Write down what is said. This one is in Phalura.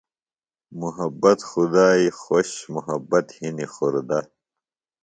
محبت خُدائی خوش محبت ہِنیۡ خوردہ۔